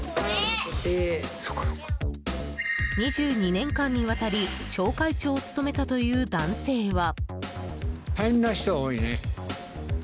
２２年間にわたり町会長を務めたという男性は。